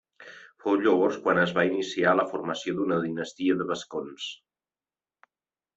Fou llavors quan es va iniciar la formació d'una dinastia de vascons.